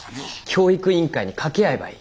教育委員会に掛け合えばいい。